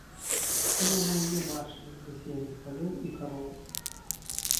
Мы амаль не бачылі засеяных палёў і кароў.